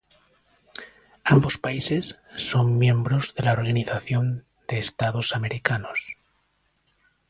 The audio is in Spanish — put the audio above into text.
Ambos países son miembros de la Organización de Estados Americanos.